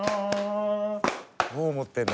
「どう思ってんだ？